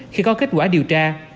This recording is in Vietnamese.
khi có kết quả điều tra